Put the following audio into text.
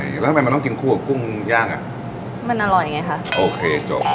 แล้วทำไมมันต้องกินคู่กับกุ้งย่างอ่ะมันอร่อยไงคะโอเคจบ